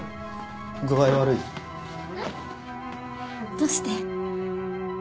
どうして？